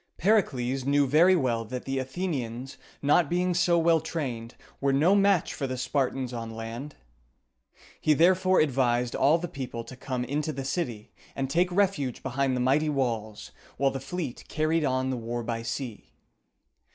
Pericles knew very well that the Athenians, not being so well trained, were no match for the Spartans on land. He therefore advised all the people to come into the city, and take refuge behind the mighty walls, while the fleet carried on the war by sea.